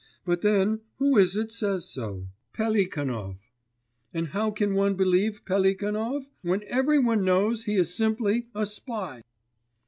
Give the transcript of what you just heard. But then who is it says so? Pelikanov! And how can one believe Pelikanov, when every one knows he is simply a spy!